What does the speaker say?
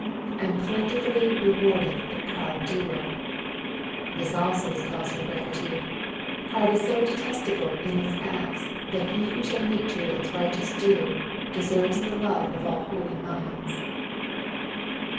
" And plentifuUi/ rewardeth the proud doer." This also is cause for eratitude : pride ie so detestable in its acts that he who shall mete out to it its nghteous due, deserves the love of all holy minds.